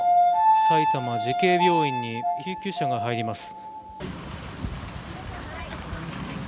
埼玉慈恵病院に救急車が入ります。